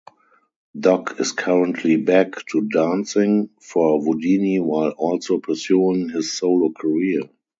Doc is currently back to dancing for Whodini while also pursuing his solo career.